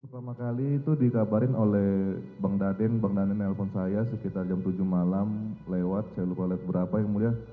pertama kali itu dikabarin oleh bang dadin bang dhani nelpon saya sekitar jam tujuh malam lewat saya lupa lewat berapa yang mulia